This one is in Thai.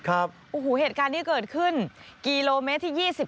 โอ้โหเหตุการณ์นี้เกิดขึ้นกิโลเมตรที่๒๔